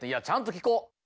ちゃんと聞こう。